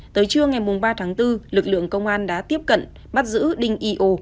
tới trưa ngày ba tháng bốn lực lượng công an đã tiếp cận bắt giữ đinh yo